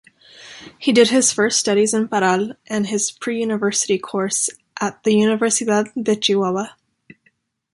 He did his first studies in Parral and his pre-university course at the Universidad de Chihuahua.